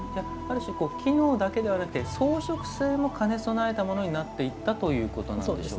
機能だけではなくて装飾性も兼ね備えたものになっていったということなんでしょうか。